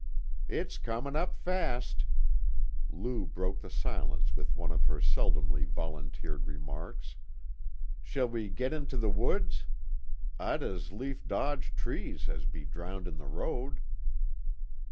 "It's comin' up fast." Lou broke the silence with one of her seldomly volunteered remarks. "Shall we git into the woods? I'd as lief dodge trees as be drowned in the road."